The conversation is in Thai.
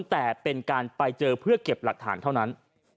แต่เป็นการไปเจอเพื่อเก็บหลักฐานเท่านั้น